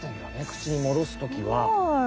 くちに戻す時は。